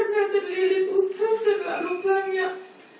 karena terlilih utang terlalu banyak